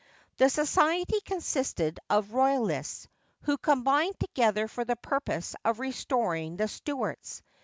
The Society consisted of Royalists, who combined together for the purpose of restoring the Stuarts.